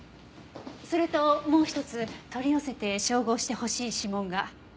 それともう一つ取り寄せて照合してほしい指紋が。